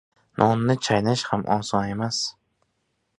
• Nonni chaynash ham oson emas.